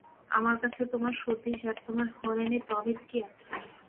আমার কাছে আমার সতীশ আর তোমার হরেনে প্রভেদ কী আছে।